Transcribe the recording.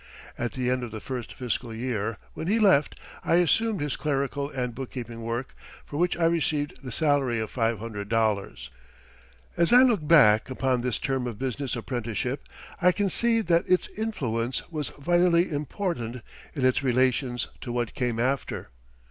At the end of the first fiscal year when he left I assumed his clerical and bookkeeping work, for which I received the salary of $500. As I look back upon this term of business apprenticeship, I can see that its influence was vitally important in its relations to what came after.